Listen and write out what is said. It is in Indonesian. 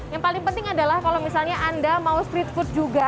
yang paling penting adalah kalau misalnya anda mau street food juga